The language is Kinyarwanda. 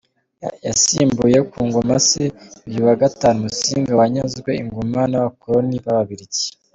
Yasimbuye ku ngoma se Yuhi V Musinga wanyazwe ingoma n’abakoloni b’ababiligi.